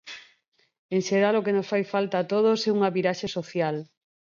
En xeral o que nos fai falta a todos é unha viraxe social.